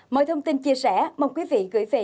mọi thông tin chia sẻ mời quý vị gửi về